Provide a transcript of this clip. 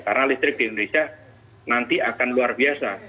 karena listrik di indonesia nanti akan luar biasa